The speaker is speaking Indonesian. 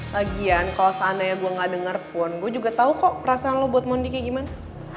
lagian kalau seandainya gue gak denger pun gue juga tau kok perasaan lo buat mondi kayak gimana